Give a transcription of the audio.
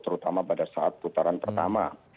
terutama pada saat putaran pertama